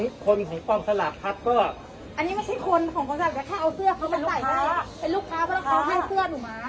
นั่นแหละยังไม่ให้รับเพราะว่าศาลากของศาลากภัทร